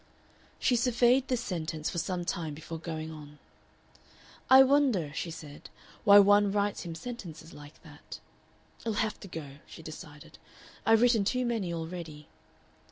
She surveyed this sentence for some time before going on. "I wonder," she said, "why one writes him sentences like that? It'll have to go," she decided, "I've written too many already."